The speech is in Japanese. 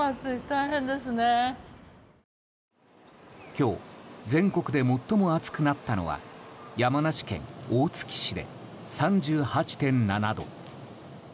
今日、全国で最も暑くなったのは山梨県大月市で３８．７度。